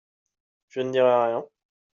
je ne dirai rien.